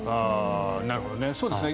なるほどね。